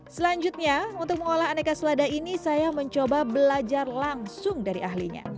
selanjutnya untuk mengolah aneka selada ini saya mencoba belajar langsung dari ahlinya